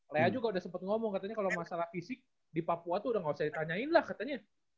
lea juga udah sempat ngomong katanya kalau masalah fisik di papua tuh udah gak usah ditanyain lah katanya